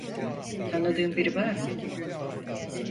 Tanıdığın biri var mı?